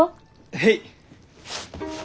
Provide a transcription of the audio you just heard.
へい！